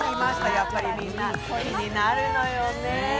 やっぱりみんな好きになるのよね。